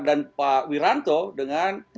dan pak wiranto dengan